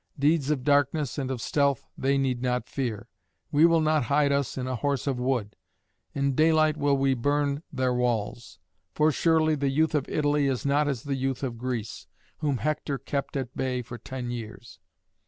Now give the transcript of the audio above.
Deeds of darkness and of stealth they need not fear. We will not hide us in a Horse of wood. In daylight will we burn their walls. For surely the youth of Italy is not as the youth of Greece, whom Hector kept at bay for ten years."